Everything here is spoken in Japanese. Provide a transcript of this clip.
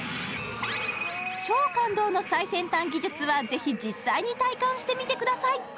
超感動の最先端技術はぜひ実際に体感してみてください！